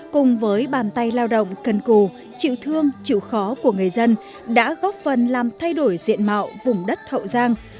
cùng với bàn tay lao động cần cù chịu thương chịu khó của người dân đã góp phần làm thay đổi diện mạo vùng đất hậu giang